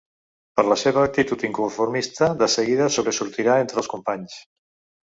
Per la seva actitud inconformista de seguida sobresortirà entre els companys.